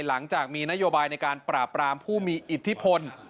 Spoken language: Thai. หลังจากมีนโยบายในการปราบรามผู้มีอิทธิพล